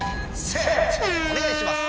おねがいします。